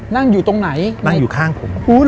นั่งอยู่ตรงไหนนั่งอยู่ข้างผม